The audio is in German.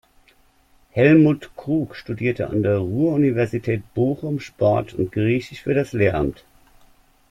Hellmut Krug studierte an der Ruhr-Universität Bochum Sport und Griechisch für das Lehramt.